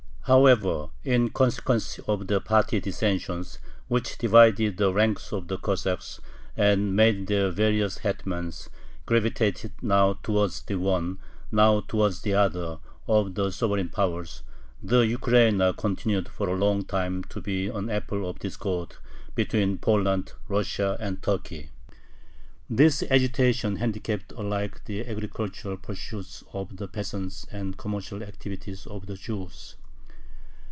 However, in consequence of the party dissensions which divided the ranks of the Cossacks, and made their various hetmans gravitate now towards the one, now towards the other, of the sovereign powers, the Ukraina continued for a long time to be an apple of discord between Poland, Russia, and Turkey. This agitation handicapped alike the agricultural pursuits of the peasants and the commercial activities of the Jews.